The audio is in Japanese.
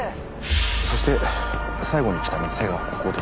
そして最後に来た店がここですね。